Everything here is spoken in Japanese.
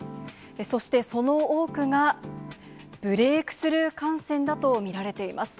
そしてその多くがブレークスルー感染だと見られています。